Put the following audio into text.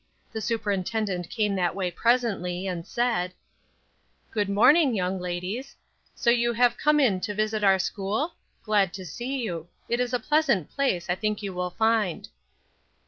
The superintendent came that way presently, and said: "Good morning, young ladies; so you have come in to visit our school? Glad to see you; it is a pleasant place, I think you will find."